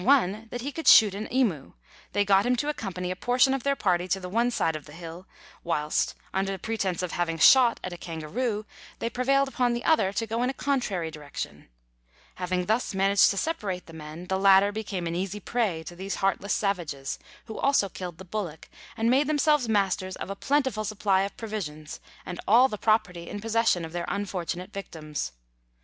14 Letters from Victorian Pioneers. that lie could shoot an emu, they got him to accompany a portion of their party to the one side of the hill, whilst, under pretence of having a shot at a kangaroo, they prevailed upon the other to go in a contrary direction. Having thus managed to separate the men, the latter became an easy prey to these heartless savages, who also killed the bullock and made themselves masters of a plentiful supply of provisions and all the property in possession of their unfortunate victims.